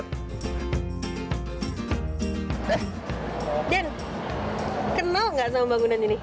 hah den kenal nggak sama bangunan ini